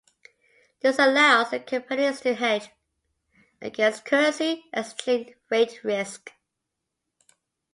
This allows the companies to hedge against currency exchange rate risk.